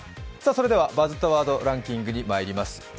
それでは「バズったワードランキング」にまいります。